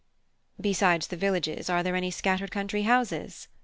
"Besides the villages, are there any scattered country houses?"